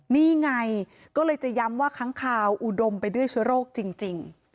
นี่ไงก็เลยจะย้ำว่าค้างคาวอุดมไปด้วยเชื้อโรคจริง